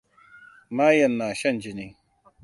Mayen na shan jini.